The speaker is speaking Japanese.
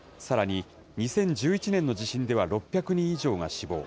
さらに、２０１１年の地震では６００人以上が死亡。